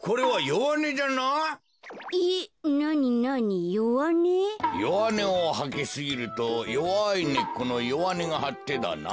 弱音をはきすぎると弱い根っこの弱根がはってだな。